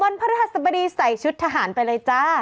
วันพุธใส่ชุดพระวันพระธรรมดีใส่ชุดทหารไปเลยจ้า